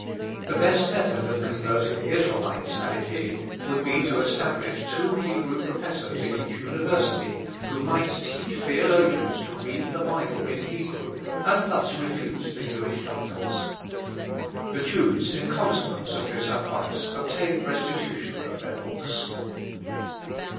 "The best method of converting the Israelites," added he, "would be to establish two Hebrew professors in each University, who might teach theologians to read the Bible in Hebrew, and thus refute the Jewish doctors." The Jews, in consequence of this advice, obtained restitution of their books.